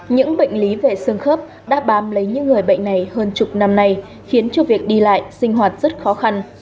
những bệnh lý vệ sương khớp đã bám lấy những người bệnh này hơn chục năm nay khiến cho việc đi lại sinh hoạt rất khó khăn